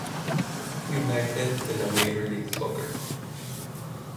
United de la Major League Soccer.